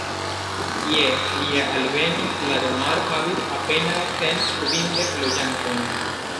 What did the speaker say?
Je lia alveno, la domaro havis apenaŭ cent kvindek loĝantojn.